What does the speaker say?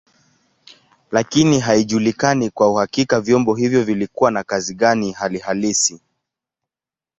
Lakini haijulikani kwa uhakika vyombo hivyo vilikuwa na kazi gani hali halisi.